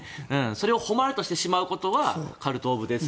それを誉れとしてしまうことはカルト・オブ・デス。